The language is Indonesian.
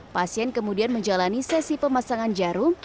pasien kemudian menjalani sesi pemasangan jarum